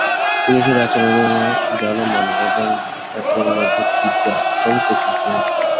পুলিশের এ আচরণে জনমনে এবং ভোটারদের মধ্যে তীব্র আতঙ্ক সৃষ্টি হয়েছে।